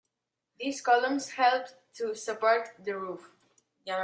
These columns helped to support the roof.